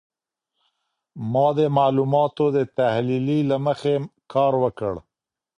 ما د معلوماتو د تحلیلې له مخي کار وکړ.